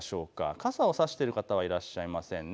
傘を差している方はいらっしゃいませんね。